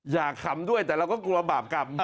อยากขำเลยแต่เราก็กลัวบาปกลำ